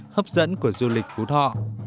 hấp dẫn của du lịch vũ thọ